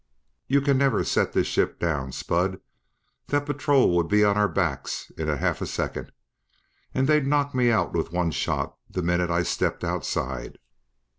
"You can never set this ship down, Spud; that patrol would be on our backs in half a second. And they'd knock me out with one shot the minute I stepped outside."